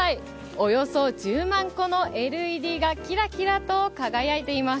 およそ１０万個のＬＥＤがキラキラと輝いています。